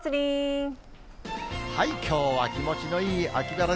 きょうは気持ちのいい秋晴れ